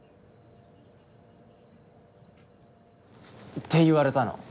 って言われたの。